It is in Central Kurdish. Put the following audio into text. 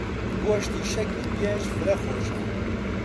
گۆشتی شەکی گێژ فرە خۆشە.